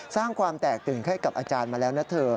สร้างความแตกตื่นให้กับอาจารย์มาแล้วนะเธอ